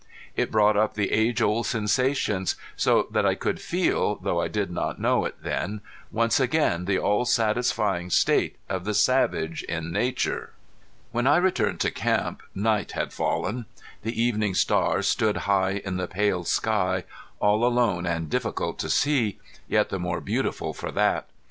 It brought up the age old sensations, so that I could feel, though I did not know it then, once again the all satisfying state of the savage in nature. When I returned to camp night had fallen. The evening star stood high in the pale sky, all alone and difficult to see, yet the more beautiful for that.